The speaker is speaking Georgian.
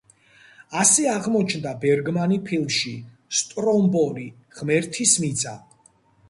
ასე აღმოჩნდა ბერგმანი ფილმში „სტრომბოლი, ღმერთის მიწა“.